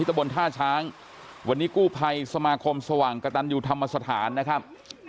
ตะบนท่าช้างวันนี้กู้ภัยสมาคมสว่างกระตันยูธรรมสถานนะครับ